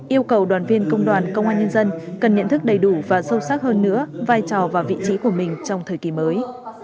yêu cầu đoàn viên công đoàn công an nhân dân cần nhận thức đầy đủ và sâu sắc hơn nữa vai trò và vị trí của mình trong thời kỳ mới